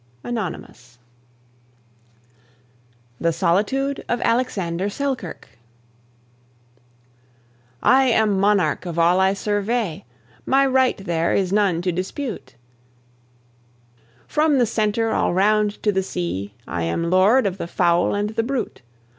ANONYMOUS. THE SOLITUDE OF ALEXANDER SELKIRK. I am monarch of all I survey, My right there is none to dispute, From the center all round to the sea, I am lord of the fowl and the brute.